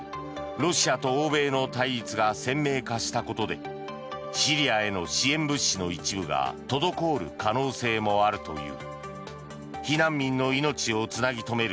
ロシアと欧米の対立が鮮明化したことでシリアへの支援物資の一部が滞る可能性もあるという。